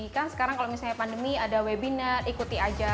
kan sekarang kalau misalnya pandemi ada webinar ikuti aja